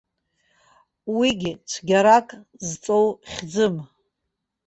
Уигьы цәгьарак зҵоу хьӡым.